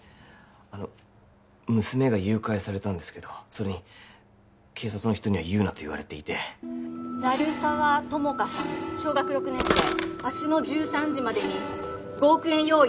あの娘が誘拐されたんですけどそれに警察の人には言うなと言われていて鳴沢友果さん小学６年生明日の１３時までに５億円用意